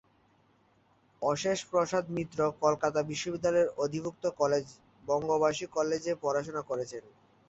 অশেষ প্রসাদ মিত্র কলকাতা বিশ্ববিদ্যালয়ের অধিভুক্ত কলেজ বঙ্গবাসী কলেজে পড়াশোনা করেছেন।